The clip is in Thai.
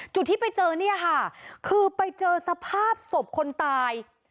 ที่ไปเจอเนี่ยค่ะคือไปเจอสภาพศพคนตาย